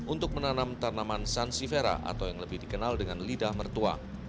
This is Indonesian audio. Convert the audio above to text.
untuk menanam tanaman sansifera atau yang lebih dikenal dengan lidah mertua